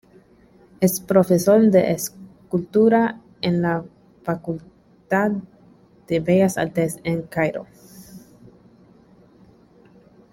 Es profesor de escultura en la Facultad de Bellas Artes de El Cairo.